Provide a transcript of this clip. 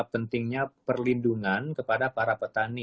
pentingnya perlindungan kepada para petani